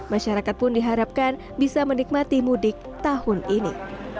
masyarakat pun diharapkan bisa menikmati mudik tahun ini